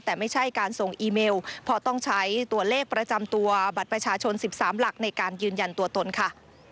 แต่ไม่ใช่การส่งอีเมลเพราะต้องใช้ตัวเลขประจำตัวบัตรประชาชน๑๓หลักในการยืนยันตัวตนค่ะ